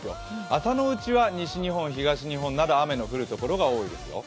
朝のうちは西日本・東日本など雨の降る所が多いですよ。